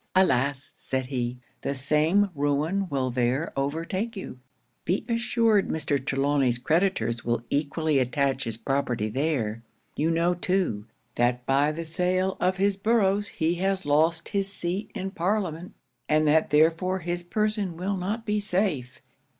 '"Alas!" said he, "the same ruin will there overtake you. Be assured Mr. Trelawny's creditors will equally attach his property there. You know too, that by the sale of his boroughs he has lost his seat in parliament, and that therefore his person will not be safe.